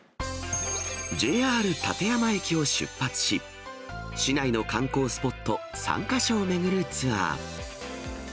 ＪＲ館山駅を出発し、市内の観光スポット３か所を巡るツアー。